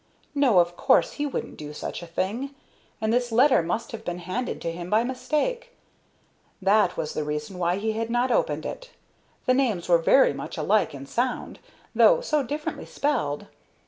No, of course he wouldn't do such a thing; and this letter must have been handed to him by mistake. That was the reason why he had not opened it. The names were very much alike in sound, though so differently spelled.